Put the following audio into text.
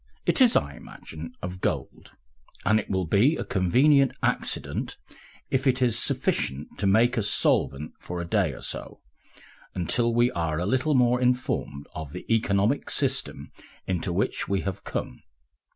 It is, I imagine, of gold, and it will be a convenient accident if it is sufficient to make us solvent for a day or so, until we are a little more informed of the economic system into which we have come.